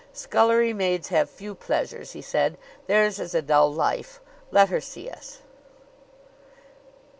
"Scullery maids have few pleasures," he said. "Theirs is a dull life. Let her see us."